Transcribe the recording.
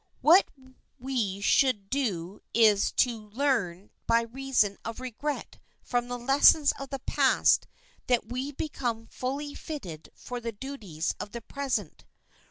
What we should do is so to learn by reason of regret from the lessons of the past that we become fully fitted for the duties of the present.